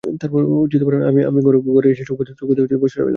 আমি ঘরে এসে চৌকিতে বসে একটা হাতপাখা নিয়ে হাওয়া খেতে লাগলুম।